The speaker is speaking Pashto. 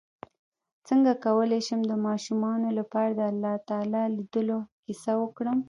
څنګه کولی شم د ماشومانو لپاره د الله تعالی لیدلو کیسه وکړم